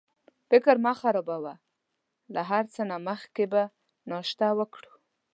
فکر مه خرابوه، له هر څه نه مخکې به ناشته وکړو.